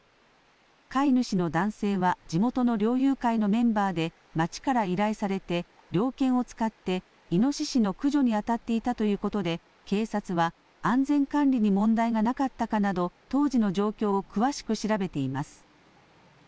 飼い主の男性は地元の猟友会のメンバーで、町から依頼されて、猟犬を使ってイノシシの駆除に当たっていたということで、警察は、安全管理に問題がなかったかなど、当時の状況を詳しく調べています。